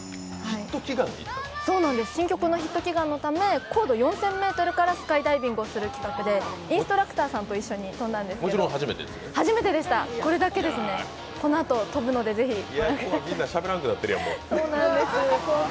新曲のヒット祈願のため高度４０００ｍからスカイダイビングする企画でインストラクターさんと一緒に飛んだんですけど、初めてですね、これだけですね、このあと飛ぶのでぜひ。